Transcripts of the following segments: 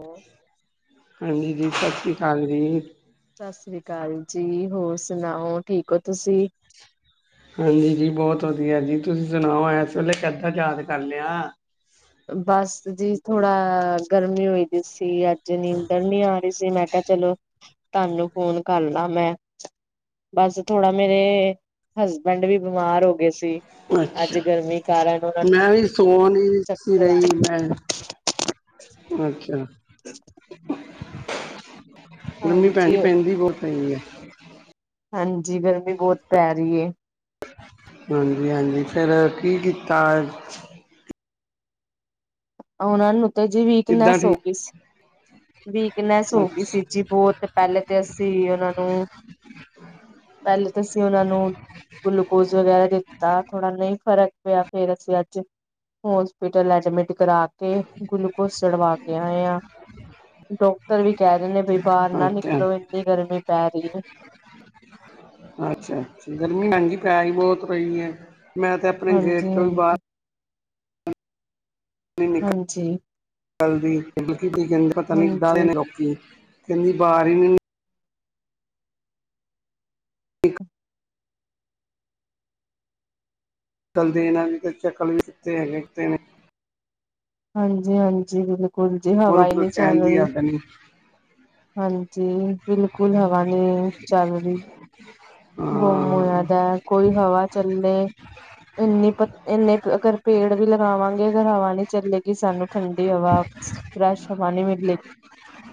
ਸਤਿ ਹਾਂਜੀ ਜੀ ਸਤਿ ਸ਼੍ਰੀ ਅਕਾਲ ਜੀ। ਸਤਿ ਸ੍ਰੀ ਅਕਾਲ ਜੀ, ਹੋਰ ਸੁਣਾਓ, ਠੀਕ ਹੋ ਤੁਸੀਂ? ਹਾਂਜੀ ਜੀ ਬਹੁਤ ਵਧੀਆ ਜੀ ਤੁਸੀਂ ਸੁਣਾਓ ਏਸ ਵੇਲੇ ਕਿੱਦਾਂ ਯਾਦ ਕਰ ਲਿਆ? ਬਸ ਜੀ, ਥੋੜਾ ਗਰਮੀ ਹੋਈ ਦੀ ਸੀ। ਅੱਜ ਨੀਂਦਰ ਨੀ ਆਈ। ਸੀ ਮੈਂ ਕਿਆ, ਚਲੋ ਤੁਹਾਨੂੰ ਫੋਨ ਕਰ ਲਾ ਮੈਂ। ਬਸ ਥੋੜਾ ਮੇਰੇ ਹਸਬੈਂਡ ਵੀ ਬਿਮਾਰ ਹੋ ਗਏ। ਗਏ ਸੀ। ਅੱਛਾ ਅੱਜ ਗਰਮੀ ਕਾਰਨ ਉਨਾਂ ਨੂੰ ਮੈਂ ਵੀ ਸੋ, ਨੀ ਸੀ ਚੱਕਰ ਆ ਰਈ ਮੈਂ ਅੱਛਾ। ਗਰਮੀ ਭੈਣ ਜੀ ਹਾਂਜੀ ਪੈਂਦੀ ਬਹੁਤ ਪਈ ਐ। ਹਾਂਜੀ, ਗਰਮੀ ਬਹੁਤ ਪੈ ਰੀ ਏ। ਹਾਂਜੀ, ਹਾਂਜੀ ਫੇਰ ਕੀ ਕੀਤਾ ਅੱਜ। ਉਨਾਂ ਨੂੰ ਤਾਂ ਜੀ ਕਿੱਦਾਂ ਵੀਕਨੈਸ ਹੋ ਠੀਕ ਗਈ ਸੀ। ਵੀਕਨੈਸ ਹੋ ਗਈ ਸੀ। ਅੱਛਾ ਜੀ ਬੋਤ ਪਹਲੇ ਤੇ ਅਸੀਂ ਉਨਾਂ ਨੂੰ। ਪਹਲੇ ਤੇ ਅਸੀਂ ਉਨਾਂ ਨੂੰ। ਗਲੂਕੋਜ ਵਗੈਰਾ ਦਿੱਤਾ ਥੋੜਾ ਨਹੀਂ ਫਰਕ ਪਿਆ। ਫੇਰ ਅਸੀਂ ਅੱਜ ਹੋਸਪਿਟਲ ਐਡਮਿਟ ਕਰਾ ਕੇ ਗਲੂਕੋਸ ਚੜਵਾ ਕੇ ਆਏ ਆਂ। ਡਾਕਟਰ ਵੀ ਕਹਿ ਰੇ ਨੇ ਬਈ ਬਾਰ ਨਾ ਅੱਛਾ ਨਿਕਲੋ। ਏਨੀ ਗਰਮੀ ਪੈ ਰੀ ਏ। ਅੱਛਾ -ਅੱਛ ਗਰਮੀ ਭੈਜੀ ਪੈ ਈ ਬਹੁਤ ਰਈ ਏ। ਮੈਂ ਤੇ ਆਪਣੇ ਗੇਟ ਹਾਂਜੀ 'ਚੋ ਵੀ ਹਾਂਜੀ ਬਾਰ। ਨਈ ਨਿਕਲ ਹਾਂਜੀ ਨਿਕਲਦੀ। ਤੁਸੀ ਕੀ ਕੇਂਦੇ ਪਤਾ ਨੀ ਕਿੱਦਾਂ ਦੇ ਹਾਂਜੀ ਨੇ ਲੋਕੀ। ਕਹਿੰਦੀ ਬਾਹਰ ਈ ਨੀ। ਚਲ ਦੇ ਨਾਲ ਵੀ ਕੋਈ ਚੱਕਲ ਨੀ ਕਿਤੇ ਹੈਗੇ ਨੇ ਕਿਤੇ ਨਈ [inaudible] ਹਾਂਜੀ -ਹਾਂਜੀ ਬਿਲਕੁਲ ਜੀ ਹਵਾ ਈ ਨੀ ਚੱਲ ਰਹੀ। ਹਾਂਜੀ। ਹਾਂਜੀ ਬਿਲਕੁਲ ਹਵਾ ਨੀ ਚੱਲ ਰਹੀ। ਗੁੰਮ ਹੋਇਆ ਹਾਂ ਦਾ ਕੋਈ ਹਵਾ ਚੱਲੇ। ਏਨੀ ਪ ਏਨੇ ਕੇ ਅਗਰ ਪੇੜ ਵੀ ਲਗਾਵਾਂਗੇ ਅਗਰ ਹਵਾ ਨੀ ਚੱਲੇਗੀ। ਸਾਨੂੰ ਠੰਡੀ ਹਵਾ ਫਰੈਸ਼ ਹਵਾ ਨੀ ਮਿਲੇਗੀ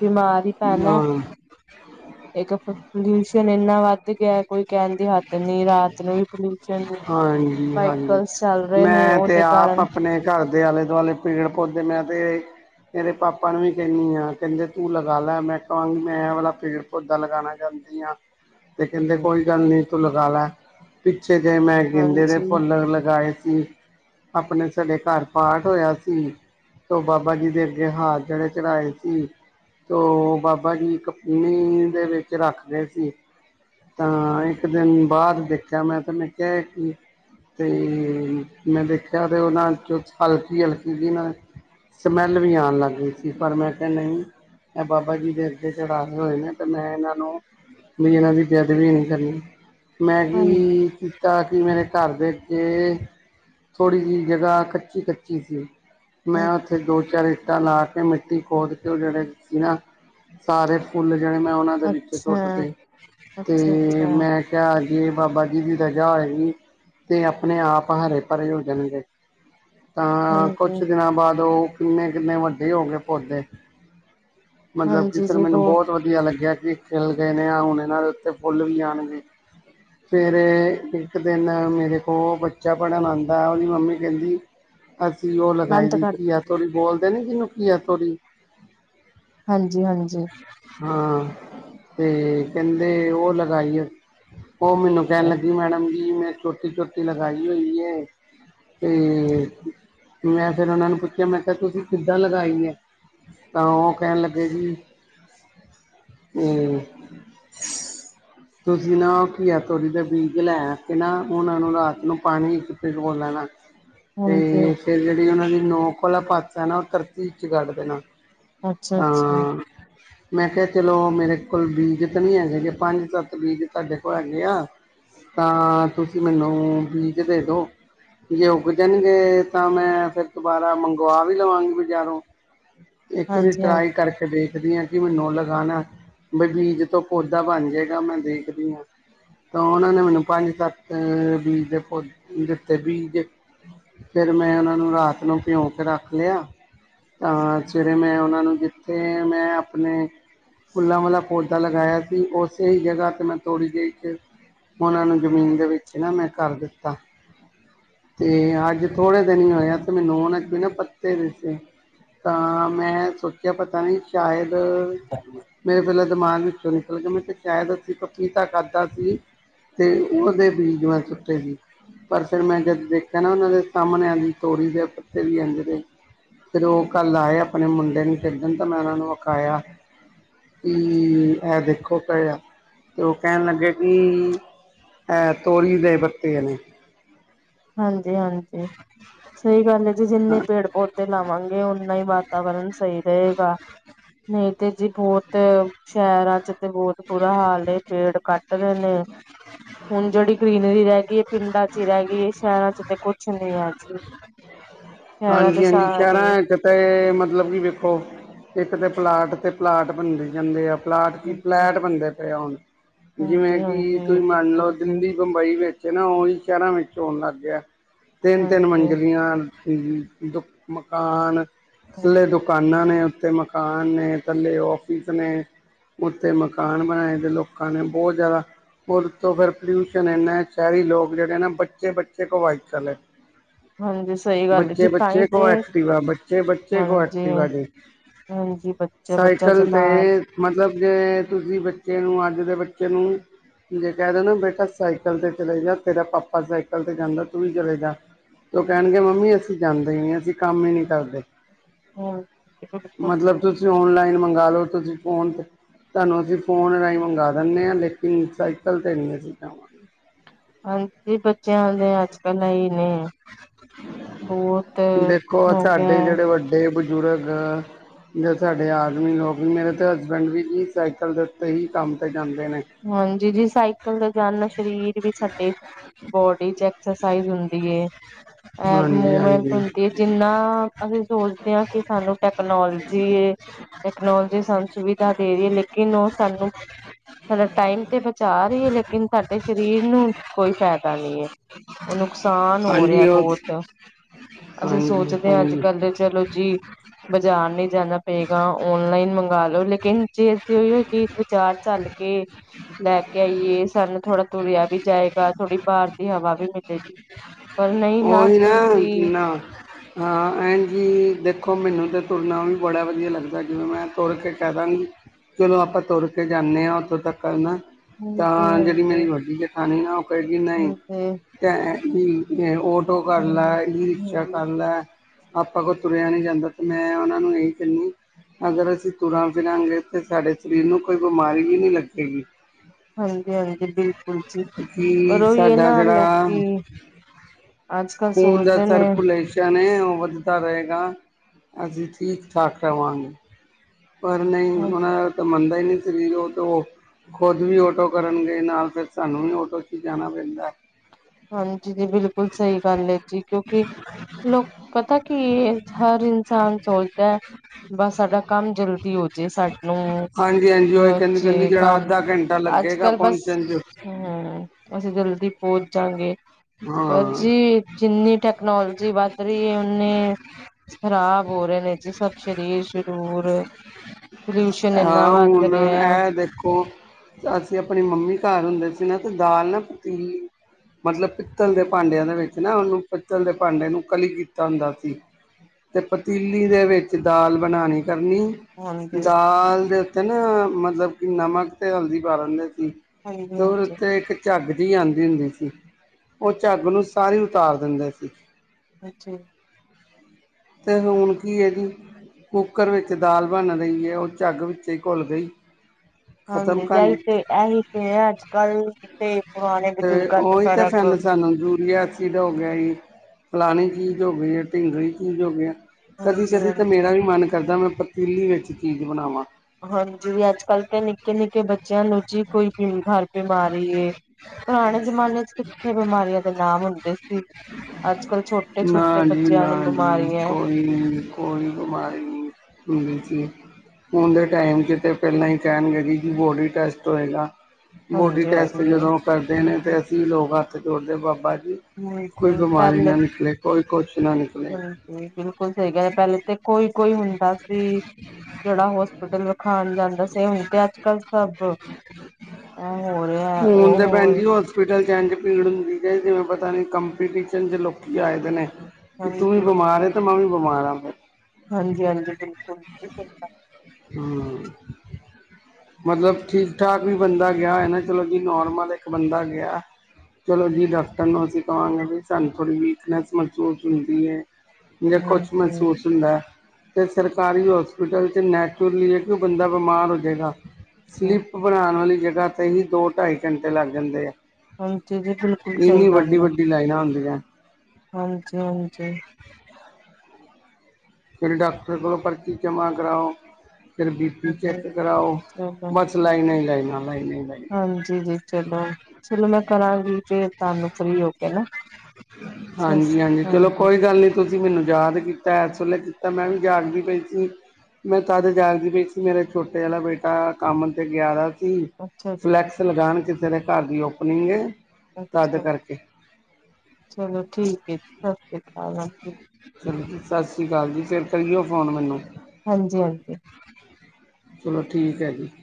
ਬਿਮਾਰ ਈ ਪੈਣਾ। ਇੱਕ ਪ ਪੋਲਿਊਸ਼ਨ ਏਨਾ ਵੱਧ ਗਿਆ ਕੋਈ ਕਹਿਣ ਦੀ ਹੱਦ ਨੀ। ਰਾਤ ਨੂੰ ਵੀ ਪੋਲਿਸ਼ਨ ਹਾਂਜੀ ਹਾਂਜੀ ਵਾਈਕਲਸ ਚੱਲ ਰਏ ਨੇ ਮੈਂ ਤੇ ਓਦੇ ਆਪ ਕਾਰਨ। ਆਪਣੇ ਘਰ ਦੇ ਆਲੇ ਦੁਆਲੇ ਪੇੜ ਪੌਦੇ ਮੈਂ ਤੇ। ਏਦੇ ਪਾਪਾ ਨੂੰ ਵੀ ਕਹਿੰਦੀ ਆ ਕਹਿੰਦੇ ਤੂੰ ਲਗਾ ਲੈ। ਮੈਂ ਕਵਾਂਗੀ ਮੈਂ ਇਹ ਵਾਲਾ ਪੇੜ। ਪੌਦਾ ਲਗਾਣਾ ਚਾਹੁੰਦੀ ਆਂ। ਏ ਕਹਿੰਦੇ ਹਮ ਕੋਈ ਗੱਲ ਨੀ ਤੂੰ ਲਗਾ ਲੈ। ਤੇ ਜੇ ਮੈਂ ਗੇਂਦੇ ਦੇ ਹਾਂਜੀ ਫੁੱਲ ਲਗਾਏ ਸੀ। ਆਪਣੇ ਸਾਡੇ ਘਰ ਪਾਠ ਹੋਇਆ ਸੀ। ਤੋਂ ਬਾਬਾ ਜੀ ਦੇ ਅੱਗੇ ਹਾਰ ਜੜੇ ਚੜ੍ਹਾਏ ਸੀ। ਤ ਬਾਬਾ ਜੀ ਕਪੀਣੀ ਦੇ ਵਿੱਚ ਰੱਖ ਗਏ ਸੀ ਤਾਂ ਇੱਕ ਦਿਨ ਬਾਅਦ ਦੇਖਿਆ ਮੈਂ ਤੇ ਮੈਂ ਕਿਹਾ ਤੇ ਮੈਂ ਦੇਖਿਆ ਤੇ ਉਹਨਾਂ ਚੋਂ ਹਲਕੀ ਹਲਕੀ ਸੀਨਾਂ ਸਮੈੱਲ ਵੀ ਆਉਣ ਲੱਗ ਗਈ ਸੀ ਪਰ ਮੈਂ ਕਿਹਾ ਨਹੀਂ ਇਹ ਬਾਬਾ ਜੀ ਦੇ ਅੱਗੇ ਚੜ੍ਹਾਹੇ ਹੋਏ ਨੇ ਤੇ ਮੈਂ ਇਹਨਾਂ ਨੂੰ ਵੀ ਇਹਨਾਂ ਦੀ ਜਿੱਦ ਵੀ ਨਹੀਂ ਕਰਨੀ ਮੈਂ ਹਾਂ ਕਿ। ਕੀਤਾ ਕਿ ਮੇਰੇ ਘਰ ਦੇ ਅਗੇ। ਥੋੜ੍ਹੀ ਜਿਹੀ ਜਗ੍ਹਾ ਕੱਚੀ ਰੱਖੀ ਸੀ। ਮੈਂ ਉੱਥੇ ਦੋ ਚਾਰ ਇੱਟਾਂ ਲਾ ਕੇ ਮਿੱਟੀ ਖੋਦ ਕੇ ਉਹ ਜਿਹੜੇ ਸੀ ਨਾ। ਸਾਰੇ ਫੁੱਲ ਜਿਹੜੇ ਮੈਂ ਉਹਨਾਂ ਦੇ ਵਿੱਚ ਅੱਛਾ ਸੁੱਟ ਅੱਛਾ ਤੇ ਅੱਛਾ ਮੈਂ। ਕਿਹਾ ਜੇ ਬਾਬਾ ਜੀ ਦੀ ਰਜਾ ਹੋਏਗੀ ਤੇ ਆਪਣੇ ਆਪ ਹਰੇ ਭਰੇ ਹੋ ਜਾਣਗੇ। ਤਾਂ ਹਾਂਜੀ ਕੁਛ ਦਿਨਾਂ ਬਾਅਦ ਉਹ। ਕਿੰਨੇ ਕਿੰਨੇ ਵੱਡੇ ਹੋ ਗਏ ਪੌਦੇ ਮਤਲਬ ਕਿ ਹਾਂਜੀ ਫਿਰ ਜੀ ਬੋ ਮੈਨੂੰ ਬਹੁਤ। ਹੁ ਵਧੀਆ ਲੱਗਿਆ ਕਿ ਖਿਲ ਗਏ ਨੇ ਆ ਹੁਣ ਇਹਨਾਂ ਦੇ ਉੱਤੇ ਫੁੱਲ ਵੀ ਆਉਣਗੇ ਫਿਰ ਇਹ। ਇੱਕ ਦਿਨ ਮੇਰੇ ਕੋਲ ਬੱਚਾ ਪੜ੍ਹਨ ਆਉਂਦਾ ਹੈ ਉਹਦੀ ਮੰਮੀ ਕਹਿੰਦੀ। ਅਸੀਂ ਉਹ ਲਗਾਈ ਬੰਦ ਸੀ ਕਰ ਘੀਆ ਤੋਰੀ ਬੋਲਦੇ ਨੇ ਜਿਹਨੂੰ ਘੀਆ ਤੋਰੀ। ਹਾਂਜੀ ਹਾਂਜੀ। ਹਾਂ ਤੇ ਕਹਿੰਦੇ ਉਹ ਲਗਾਈ ਆ ਉਹ ਮੈਨੂੰ ਕਹਿਣ ਲੱਗੇ ਗੀ ਮੈਂ ਛੋਟੀ ਛੋਟੀ ਲਗਾਈ ਹੋਈ ਹੈ ਤੇ ਮੈਂ ਫਿਰ ਉਹਨਾਂ ਨੂੰ ਪੁੱਛਿਆ ਮੈਂ ਕਿਹਾ ਤੁਸੀਂ ਕਿੱਦਾਂ ਲਗਾਈ ਹੈ ਤਾਂ ਉਹ ਕਹਿਣ ਲੱਗੇ ਜੀ ਤੁਸੀ ਨਾ ਘੀਆ ਤੋਰੀ ਹੈ ਬੀ ਲੈਣ ਕੇ ਨਾ ਉਹਨਾਂ ਨੂੰ ਰਾਤ ਨੂੰ ਪਾਣੀ ਵਿੱਚ ਡਬੋ ਕੋ ਲੈਣਾ ਹਾਂਜੀ ਅਤੇ ਫਿਰ ਜਿਹੜੀ ਉਹਨਾਂ ਦੀ ਨੌਕ ਵਾਲਾ ਪਾਸਾ ਨਾ ਉਹ ਧਰਤੀ ਚ ਗੱਡ ਦੇਣਾ [inaudible] ਅੱਛਾ ਅੱਛਾ ਹਾਂ ਮੈਂ ਕਿਹਾ ਚਲੋ ਮੇਰੇ ਕੋਲ ਬੀਜ ਤਾਂ ਨਹੀਂ ਹੈਗੇਗੇ ਪੰਜ ਸੱਤ ਬੀਜ ਤੁਹਾਡੇ ਕੋਲ ਹੈਗੇ ਆ ਤਾਂ ਤੁਸੀਂ ਮੈਨੂੰ ਬੀਜ ਦੇ ਦਿਉ ਜੇ ਉੱਗ ਜਾਣਗੇ ਤਾਂ ਮੈਂ ਫੇਿਰ ਦੁਬਾਰਾ ਮੰਗਵਾ ਵੀ ਲਵਾਂਗੀ ਬਾਜ਼ਾਰੋਂ ਇੱਕ ਵਾਰੀ ਹਾਂਜੀ ਹਾਂ ਟਰਾਈ ਕਰਕੇ ਦੇਖ ਦੇਖਦੀ ਹਾਂ ਕਿ ਮੈਨੂੰ ਲਗਾਉਣਾ ਬ ਬੀਜ ਤੋਂ ਪੌਦਾ ਬਣ ਜਾਏਗਾ ਮੈਂ ਦੇਖਦੀ ਹਾਂ ਤਾਂ ਉਹ ਨੇ ਮੈਨੂੰ ਪੰਜੇ ਸੱਤ ਪੌਦੇ ਦੇ ਬੀਜ ਫਿਰ ਮੈਂ ਉਹਨਾਂ ਨੂੰ ਰਾਤ ਨੂੰ ਭਿਓ ਕੇ ਰੱਖ ਲਿਆ ਸਵੇਰੇ ਮੈਂ ਉਹਨਾਂ ਨੂੰ ਦਿੱਤੇ ਮੈਂ ਆਪਣੇ ਫੁੱਲਾਂ ਵਾਲਾ ਪੌਦਾ ਲਗਾਇਆ ਸੀ ਉਸੇ ਹੀ ਜਗ੍ਹਾ 'ਤੇ ਮੈਂ ਥੋੜ੍ਹੀ ਦੇਰ 'ਚ ਉਹਨਾਂ ਨੂੰ ਜ਼ਮੀਨ ਦੇ ਵਿੱਚ ਨਾ ਮੈਂ ਕਰ ਦਿੱਤਾ ਤੇ ਅੱਜ ਥੋੜ੍ਹੇ ਦਿਨ ਹੀ ਹੋਇਆ ਤੇ ਮੈਨੂੰ ਉਹਨਾਂ ਕੋਈ ਨਾ ਪੱਤੇ ਦਿੱਤੇੇ ਤਾਂ ਮੈਂ ਸੋਚਿਆ ਪਤਾ ਨਹੀਂ ਸ਼ਾਇਦ ਮੇਰੇ ਪਹਿਲੇ ਦਿਮਾਗ ਵਿੱਚੋਂ ਨਿਕਲ ਗਿਆ ਮੈਂ ਤਾਂ ਸ਼ਾਇਦ ਅਸੀਂ ਪਪੀਤਾ ਖਾਧਾ ਸੀ ਤੇ ਉਹਦੇ ਬੀਜ ਮੈਂ ਸੁੱਟੇ ਸੀ ਪਰ ਫਿਰ ਮੈਂ ਜਦ ਦੇਖਿਆ ਨਾ ਉਹਨਾਂ ਦੇ ਸਾਹਮਣੇ ਆਂ ਦੀ ਤੋਰੀ ਦੇ ਪੱਤੇ ਵੀ ਆਂਦੇ ਫਿਰ ਉਹ ਕੱਲ ਆਏ ਆਪਣੇ ਮੁੰਡੇ ਨੂੰ ਦੇਖਣ ਤਾਂ ਮੈਂ ਉਹਨਾਂ ਨੂੰ ਵਿਖਾਇਆ ਕੀ ਇਹ ਦੇਖੋ ਪਿਆ ਅਤੇ ਉਹ ਕਹਿਣ ਲਗੇ ਕਿ ਹੈ ਤੋਰੀ ਦੇ ਪਤੇ ਨੇ ਹਾਂਜੀ ਹਾਂਜੀ ਸਹੀ ਗੱਲ ਹੈ ਜੀ ਜਿੰਨੇ ਪੇੜ ਪੌਦੇ ਤੇ ਲਾਵਾਂਗੇ ਨਾ ਹੀ ਵਾਤਾਵਰਨ ਸਹੀ ਰਹੇਗਾ ਨਹੀਂ ਤੇ ਜੀ ਬਹੁਤ ਸ਼ਹਿਰਾਂ ਚ ਤੇ ਬਹੁਤ ਬੁਰਾ ਹਾਲ ਪੇੜ ਕੱਟ ਦੇ ਨੇ ਹੁਣ ਜਿਹੜੀ ਗ੍ਰੀਨਰੀ ਰਹਿ ਗਈ ਪਿੰਡਾਂ ਚ ਹੀ ਰਹਿ ਗਈ ਏ ਸ਼ਹਿਰਾਂ ਚ ਤੇ ਕੁਛ ਨੀ ਹੈ ਜੀ ਸ਼ਹਿਰਾਂ ਚ ਹਾਂਜੀ ਹਾਂਜੀ ਸ਼ਹਿਰਾਂ ਸਾਰੇ ਹੈ, ਅਤੇ ਮਤਲਬ ਕਿ ਵੇਖੋ ਇੱਕ ਤਾਂ ਪਲਾਟ ਅਤੇ ਪਲਾਟ ਬਣਦੇ ਜਾਂਦੇ ਆ ਫਲੈਟ ਹੀ ਫਲੈਟ ਬਣਦੇ ਪਏ ਹੋੁਣ ਜਿਵੇਂ ਹਾਂਜੀ ਕਿ ਹਾਂਜੀ ਤੁਸੀਂ ਮੰਨ ਲਓ ਬਿਲਕੁਲ ਜੀ ਦਿੱਲੀ ਬਈ ਵਿੱਚ ਨਾ ਉਹੀ ਸ਼ਹਿਰਾਂ ਵਿੱਚ ਹੋਣ ਲੱਗ ਗਿਆ ਤਿੰਨ- ਤਿੰਨ ਹਾਂਜੀ ਮੰਜਲੀਆਂ ਦੁ ਮਕਾਨ ਥੱਲੇ ਹਾਂਜੀ। ਦੁਕਾਨ ਨੇ ਉੱਥੇ ਮਕਾਨ ਨੇ ਥੱਲੇ ਫਿਸ ਨੇ ਉੱਥਤੇ ਮਕਾਨ ਬਣਾਏ ਦੇ ਲੋਕਾਂ ਨੇ ਬਹੁਤ ਜ਼ਿਆਦਾ ਉਰ ਤੋਂ ਫਿਰ ਪੋਲਊਸ਼ਨ ਇੰਨਾ ਸ਼ਹਿਰੀ ਲੋਕ ਜਹੜੇ ਨਾ ਬੱਚੇ ਬੱਚੇ ਵਹੀਕਲ ਹੈ ਹਾਂਜੀ ਸਹੀ ਗੱਲ ਹੈ ਜੀ ਤਾਂਹੀ ਤੇ ਬੱਚੇ ਬੱਚੇ ਕੋ ਹਾਂਜੀ ਐਕਟਿਵਾ ਦੇ ਹਾਂਜੀ ਬੱਚਾ ਬੱਚਾ ਸਾਈਕਲ ਚਲਾ ਤੇ ਮਤਲਬ ਜੇ ਤੁਸੀਂ ਬੱਚੇ ਨੂੰ ਅੱਜ ਦੇ ਬੱਚੇ ਨੂੰ ਜੇ ਕਹਿ ਦ ਨਾ ਬੇਟਾ ਸਾਈਕਲ ਤੇ ਚਲੇ ਜਾ ਤੇਰਾ ਪਾਪਾ ਸਾਈਕਲ ਤੇ ਜਾਂਦਾ ਤੂੰ ਵੀ ਚਲੇ ਜਾ ਤੇ ਉਹ ਕਹਿਣਗੇ ਮੰਮੀ ਅਸੀਂ ਜਾਂਦੇ ਹੀ ਨਹੀਂ ਅਸੀਂ ਕੰਮ ਹੀ ਨਹੀਂ ਕਰਦੇ [inaudible] ਹਾਂ ਮਤਲਬ ਤੁਸੀਂ ਓਨਲਾਈਨ ਮੰਗ ਲਓ ਤੁਸੀਂ ਫੋਨ ਤੇ, ਤੁਹਾਨੂੰ ਅਸੀਂ ਫੋਨ ਰਾਹੀਂ ਮੰਗਾਵਾ ਦਿੰਦੇ ਹਾਂ ਲੇਕਿਨ ਸਾਈਕਲ 'ਤੇ ਨਹੀਂ ਅਸੀਂ ਜਾਵਾਂਗੇ ‌। ਹਾਂਜੀ, ਬੱਚਿਆਂ ਦੇ ਅੱਜ ਕੱਲ ਆ ਹੀ ਨੇ ਬਹੁਤ ਹੋ ਗਿਆ ਏ ਬੁਜ਼ੁਰਗ ਜਾਂ ਸਾਡੇ ਆਦਮੀ ਲੋਕ ਵੀ ਮੇਰੇ ਅਤੇ ਹਸਬੈਂਡ ਵੀ ਹੀ ਸਾਈਕਲ ਦੇ ਉੱਤੇ ਹੀ ਕੰਮ 'ਤੇ ਜਾਂਦੇ ਨੇ ਹਾਂਜੀ ਜੀ, ਸਾਈਕਲ ਤੇ ਜਾਣਨਾ ਸਰੀਰ ਵੀ ਸਾਡੇ ਬੋਡੀ ਚ ਐਕਸਰਸਾਈਜ਼ ਹੁੰਦੀ ਏ, ਹਾਂਜੀ, ਮੂਮੈਂਟ ਹਾਂਜੀ, ਹੁੰਦੀ ਜਿੰਨਾ ਅਸੀਂ ਸੋਚਦੇ ਹਾਂ ਕਿ ਸਾਨੂੰ ਟੈਕਨੋਲੋਜੀ ਟੈਕਨੋਲੋਜੀ ਸਾਨੂੰ ਸੁਵਿਧਾ ਦੇ ਰਹੀ ਹੈ ਲੇਕਿਨ ਉਹ ਸਾਨੂੰ ਸਾਡਾ ਟਾਈਮ ਤੇ ਬਚਾ ਰਹੀਏ ਲੇਕਿਨ ਸਾਡੇ ਸਰੀਰ ਨੂੰ ਕੋਈ ਫਾਇਦਾ ਪਤਾ ਨਹੀ ਹੈ ਉਹ ਨੁਕਸਾਨ ਹੋ ਹਾਂਜੀ ਰਿਹਾ ਉਹ ਬਹੁਤ ਅਸੀਂ ਹਾਂਜੀ, ਸੋਚਦੇ ਹਾਂ ਅੱਜ- ਹਾਂਜੀ ਕੱਲ ਚਲੋ ਜੀ ਬਾਜ਼ਾਰ ਨਹੀ ਜਾਣਾ ਪਏਗਾ ਓਨਲਾਈਨ ਮੰਗਵਾ ਲੋ ਲੇਕਿਨ ਜੇ ਅਸੀਂ ਉਹੀ ਚੀਜ਼ ਬਾਜ਼ਾਰ ਚੱਲ ਕੇ ਲੈ ਕੇ ਆਈਏ ਸਾਨੂੰ ਥੋੜਾ ਤੁਰਿਆ ਵੀ ਜਾਏਗਾ ਥੋੜੀ ਬਾਹਰ ਹਵਾ ਵੀ ਮਿਲੇਗੀ, ਪਰ ਨਹੀਂ ਨਾ ਅਜ ਕਲ ਸੀ ਨਾ ਹਾਂ ਐਨ ਜੀ ਦੇਖੋ ਮੈਨੂੰ ਤਾਂ ਤੁਰਨਾ ਵੀ ਬੜਾ ਵਧੀਆ ਲੱਗਦਾ ਜਿਵੇਂ ਮੈਂ ਤੁਰ ਕੇ ਕਹਿ ਦਾਂਗੀ ਚਲੋ ਆਪਾਂ ਤੁਰ ਕੇ ਜਾਂਦੇ ਹਾਂ ਉੱਥੋਂ ਤੱਕ ਨਾ ਹਾਂਜੀ ਤਾਂ ਜਿਹੜੀ ਹਾਂਜੀ ਮੇਰੀ ਵੱਡੀ ਜੇਠਾਣੀ ਨਾ ਉਹ ਕਹਿਗੀ ਨਹੀਂ ਹਾਂਜੀ ਵੀ ਉਟੋ ਕਰ ਲੈ ਹਮ ਈ ਰਿਕਸ਼ਾ ਹਮ ਕਰ ਲੈ ਆਪਾਂ ਕੋਲ ਤੁਰਿਆ ਨਹੀ ਜਾਂਦਾ ਤੇ ਮੈਂ ਉਹਨਾਂ ਨੂੰ ਇਹੀ ਕਹਿੰਨੀ ਅਗਰ ਅਸੀਂ ਤੁਰਾਂ ਫਿਰਾਂਗੇ ਤਾਂ ਸਾਡੇ ਸਰੀਰ ਨੂੰ ਕੋਈ ਬਿਮਾਰੀ ਵੀ ਨਹੀਂ ਲੱਗੇਗੀ ਹਾਂਜੀ- ਹਾਂਜੀ ਬਿਲਕੁਲ ਜੀ ਪਰ ਕਿ ਉਹੀ ਹੈ ਨਾ ਸਾਡਾ ਜਿਹੜਾ ਲੋਕੀ ਅੱਜ ਕੱਲ੍ਹ ਸੋਚਦੇ ਨੇ ਕਿਣੇ ਉਹ ਵੱਧਦਾ ਰਹੇਗਾ ਅਸੀਂ ਠੀਕ- ਠਾਕ ਰਹਾਂਗੇ ਪਰ ਨਹੀਂ ਉਹਨਾਂ ਦਾ ਤਾਂ ਮੰਨਦਾ ਹੀ ਨਹੀਂ ਸਰੀਰ ਉਹ ਤੇ ਉਹ ਖੁਦ ਵੀ ਆਟੋ ਕਰਨਗੇ ਨਾਲ ਫਿਰ ਸਾਨੂੰ ਵੀ ਆਟੋ 'ਚ ਹੀ ਜਾਣਾ ਪੈਂਦਾ ਹਾਂਜੀ ਜੀ ਬਿਲਕੁਲ ਸਹੀ ਗੱਲ ਹੈ ਜੀ ਕਿਉਂਕਿ ਲੋਕ ਪਤਾ ਕੀ ਹਰ ਇਨਸਾਨ ਸੋਚਦਾ ਹੈ ਬਸ ਸਾਡਾ ਕੰਮ ਜਲਦੀ ਹੋਜੇ ਸਾਨੂੰ ਹਾਂਜੀ ਹਾਂਜੀ ਉਹੀ ਕਹਿੰਦੀ ਕਹਿੰਦੀ ਹੋਛੀ ਜਿਹੜਾ ਕੰਮ ਅੱਧਾ ਘੰਟਾ ਅਜ ਲੱਗੇਗਾ ਕਲ ਬਸ ਪਹੁੰਚਣ 'ਚ ਹਮ ਅਸੀਂ ਜਲਦੀ ਪਹੁੰਚ ਜਾਂਗੇ ਪਰ ਹਾਂ ਜੀ ਜਿੰਨੀ ਟੈਕਨੋਲੋਜੀ ਵਧ ਰਹੀ ਹੈ ਉਨੇ ਖ਼ਰਾਬ ਹੋ ਰਹੇ ਨੇ ਜੀ ਸਭ ਸਰੀਰ ਸ਼ਰੂਰ ਪੋਲਿਊਸ਼ਨ ਇੰਨਾ ਹਾਂ ਵੱਧ ਹੁਣ ਰਿਹਾ। ਇਹ ਦੇਖੋ ਅਸੀਂ ਆਪਣੀ ਮੰਮੀ ਘਰ ਹੁੰਦੇ ਸੀ ਨਾ ਤੇ ਦਾਲ ਨਾ ਪਤੀਲੀ ਮਤਲਬ ਪਿੱਤਲ ਦੇ ਭਾਂਡਿਆਂ ਦੇ ਵਿੱਚ ਨਾ ਉਹਨੂੰ ਪਿੱਤਲ ਦੇ ਭਾਂਡੇ ਨੂੰ ਕਲੀ ਕੀਤਾ ਹੁੰਦਾ ਸੀ ਤੇ ਪਤੀਲੀ ਦੇ ਵਿੱਚ ਦਾਲ ਬਣਾਉਣੀ ਕਰਨੀ ਹਾਂਜੀ ਹਾਂਜੀ ਦਾਲ ਦੇ ਉੱਤੇ ਨਾ ਮਤਲਬ ਕਿ ਨਮਕ ਤੇ ਹਲਦੀ ਪਾ ਲਿੰਦੇ ਸੀ ਹਾਂਜੀ [inaudible] [inaudible] ਝੱਗ ਜਿਹੀ ਆਉਂਦੀ ਹੁੰਦੀ ਸੀ ਉਹ ਝੱਗ ਨੂੰ ਸਾਰੀ ਉਤਾਰ ਦਿੰਦੇ ਸੀ ਅੱਛਾ ਅਤੇ ਹੁਣ ਕੀ ਇਹਦੀ [unintelligible] ਕੁੱਕਰ ਵਿੱਚ ਦਾਲ ਬਣ ਰਹੀ ਹੈ ਉਹ ਝੱਗ ਵਿੱਚ ਹੀ ਘੁਲ ਗਈ ਹਾਂਜੀ ਖਤਮ ਇਹੀ ਕਹਾਣੀ ਤੇ ਇਹੀ ਤੇ ਹੈ ਅੱਜ ਕੱਲ ਤੇ ਪੁਰਾਣੇ ਬਜ਼ੁਰਗਾਂ ਚ ਫ਼ਰਕ ਨੰਜ਼ੂਰੀਆ ਸੀ [unintelligible] ਚੀੜਾ ਹੋ ਗਿਆ ਜੀ, ਫਲਾਣੀ ਚੀਜ਼ ਹੋ ਗਈ ਹੈ, ਢੀਂਗਲੀ ਚੀਜ਼ ਹੋ ਗਈ ਕਦੀ- ਹਾਂਜੀ ਕਦੀ ਤਾਂ ਮੇਰਾ ਹਾਂਜੀ। ਵੀ ਮਨ ਕਰਦਾ ਮੈਂ ਪਤੀਲੀ ਵਿੱਚ ਚੀਜ਼ ਬਣਾਵਾਂ ਹਾਂਜੀ ਵੀ ਅੱਜ ਕੱਲ੍ਹ ਤਾਂ ਨਿੱਕੇ -ਨਿੱਕੇ ਬੱਚਿਆਂ ਨੂੰ ਜੀ ਕੋਈ ਹਰ ਬਿਮਾਰੀ। ਪੁਰਾਣੇ ਜ਼ਮਾਨੇ ਚ ਕਿੱਥੇ ਬਿਮਾਰੀਆਂ ਦੇ ਨਾਮ ਹੁੰਦੇ ਸੀ ਅੱਜ ਕੱਲ੍ਹ ਛੋਟੇ ਛੋਟੇ ਬੱਚਿਆਂ ਨੂੰ ਬਿਮਾਰੀ ਹੈ ਕੋੜੀ ਹੁੰ ਕੋੜੀ ਬਿਮਾਰੀ ਹੁੰਦੇ ਸੀ ਹੁਣ ਦੇ ਟਾਈਮ ਕਿਤੇ ਪਹਿਲਾਂ ਹੀ ਕਹਿਣਗੇ ਜੀ ਜੀ ਬੋਡੀ ਟੈਸਟ ਹੋਏਗਾ ਬੋਡੀ ਹਾਂਜੀ ਟੈਸਟ ਜਦੋਂ ਕਰਦੇ ਨੇ ਹਾਂਜੀ। ਤੇ ਅਸੀਂ ਲੋਕ ਹੱਥ ਜੋੜਦੇ ਬਾਬਾ ਜੀ ਕੋਈ ਬਿਲਕੁਲ ਬਿਮਾਰੀ ਪਹਿਲੇ ਨਾ ਨਿਕਲੇ ਕੋਈ ਕੁਛ ਨਾ ਨਿਕਲੇ ਤੇ ਬਿਲਕੁਲ ਸਹੀ ਗ ਪਹਿਲੇ ਤੇ ਕੋਈ ਕੋਈ ਹੁੰਦਾ ਸੀ ਜਿਹੜਾ ਹੋਸਪਿਟਲ ਵਿਖਾਉਣ ਜਾਂਦਾ ਸੀ ਹੁਣ ਤੇ ਅੱਜ ਕੱਲ੍ਹ ਸਭ ਆ ਹੋਰ ਐ ਹੁਣ ਉਹ ਤੇ ਭੈਣ ਹੋਰ ਜੀ ਹੋਸਪਿਟਲ 'ਚ ਇੰਝ ਭੀੜ ਹੁੰਦੀ ਹੈ ਜਿਵੇਂ ਪਤਾ ਨਹੀਂ ਕੰਪੀਟੀਸ਼ਨ 'ਚ ਲੋਕ ਆਏ ਦੇ ਨੇ ਹਾਂਜੀ ਤੂੰ ਵੀ ਬਿਮਾਰ ਆ ਤੇ ਮੈਂ ਵੀ ਬਿਮਾਰ ਆ ਹਾਂਜੀ ਹਾਂਜੀ ਬਿਲਕੁਲ ਹਾਂ ਮਤਲਬ ਠੀਕ ਠਾਕ ਵੀ ਬੰਦਾ ਗਿਆ ਹੈ ਨਾ ਚਲੋ ਜੀ ਨੋਰਮਲ ਇੱਕ ਬੰਦਾ ਗਿਆ ਚਲੋ ਜੀ ਡਾਕਟਰ ਨੂੰ ਅਸੀਂ ਕਹਾਂਗੇ ਵੀ ਸਾਨੂੰ ਥੋੜ੍ਹੀ ਵੀਕਨੈਸ ਮਹਿਸੂਸ ਹੁੰਦੀ ਹੈ ਮੁੇ ਹਮ ਕੁਛ ਹਮ ਮਹਿਸੂਸ ਹੁੰਦਾ ਅਤੇ ਸਰਕਾਰੀ ਹੋਸਪਿਟਲ 'ਚ ਨੈਚੁਰਲੀ ਹੈ ਕਿ ਉਹ ਬੰਦਾ ਬਿਮਾਰ ਹੋ ਜਾਵੇਗਾ ਹਮ ਸਲਿੱਪ ਬਣਾਉਣ ਵਾਲੀ ਜਗ੍ਹਾ ਤੇਤੇ ਹੀ ਦੋ ਢਾਈ ਘੰਟੇ ਲੱਗ ਜਾਂਦੇ ਆ ਹਾਂਜੀ ਜੀ ਬਿਲਕੁਲ ਸਹੀ ਇਨੀ ਵੱਡੀ ਗੱਲ ਹੈ ਵੱਡੀ ਲਾਈਨਾਂ ਹੁੰਦੀਆਂ ਹਾਂਜੀ ਹਾਂਜੀ ਫੀ ਡਾਕਟਰ ਕੋਲ ਪਰਤੀੀ ਜਮ੍ਹਾਂ ਕਰਾਓ ਫਿਰ ਬੀ ਪੀ ਚੈੱਕ ਕਰਾਓ ਚਲੋ ਬਸ ਲਾਈ ਨਹੀਂ ਲਾਈਣਾ ਲਾਈ ਨਹੀਂ ਲਾਈਣਾ ਹਾਂਜੀ ਜੀ ਚਲੋ ਚਲੋ ਮੈਂ ਕਰਾਂਗੀ ਫੇ ਤੁਹਾਨੂੰ ਫਰੀ ਹੋ ਕੇ ਨਾ ਹਾਂਜੀ ਹਾਂਜੀ ਚਲੋ ਕੋਈ ਗੱਲ ਨੀ ਤੁਸੀਂ ਮੈਨੂੰ ਯਾਦ ਕੀਤਾ ਇਸ ਵੇਲੇ ਕੀਤਾ ਮੈਂ ਵੀ ਜਾਗਦੀ ਪਈ ਸੀ ਮੈਂ ਤਦ ਜਾਗਦੀ ਵੀਈ ਸੀ ਮੇਰਾ ਛੋਟੇ ਵਾਲਾ ਬੇਟਾ ਕਾਮਨ 'ਤੇ ਗਿਆ ਦਾ ਅੱਛਾ ਅੱਛਾ ਫਲੈਕਸ ਲਗਾਾਨ ਕਿਸੇ ਦੇ ਘਰ ਦੀ ਓਪਨਿੰਗ ਤਦ ਅਛਾ ਕਰਕੇ ਚਲੋ ਠੀਕ ਹੈ ਜੀ ਸਤ ਸ੍ਰੀ ਅਕਾਲ ਹੈ ਜ ਚ ਸਤਿ ਸ਼੍ਰੀ ਅਕਾਲ ਜੀ ਫਿਰ ਕਰੀਓ ਫ਼ੋਨ ਮੈਨੂੰ ਹਾਂਜੀ ਹਾਂਜੀ ਚਲੋ ਠੀਕ ਹੈ ਜੀ